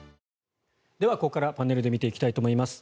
ここからパネルで見ていきたいと思います。